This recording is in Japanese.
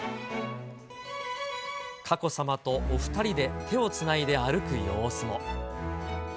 佳子さまとお２人で手をつないで歩く様子も。